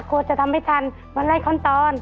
กลัวจะทำไม่ทันมันไล่ขั้นตอน